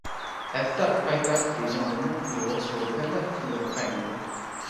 ھەتتا پايتەخت بېيجىڭدىمۇ ئۇيغۇر سودىگەرلەر خېلى قاينايدۇ.